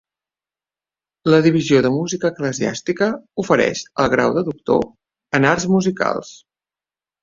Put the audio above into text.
La Divisió de Música Eclesiàstica ofereix el grau de Doctor en Arts Musicals.